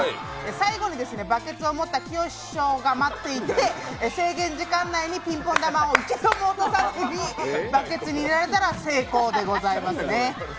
最後にバケツを持ったきよし師匠が待っていて、制限時間内にピンポン玉を一度も落とさずにバケツに入れられたら成功ですね。